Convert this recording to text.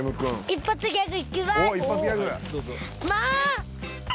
一発ギャグ。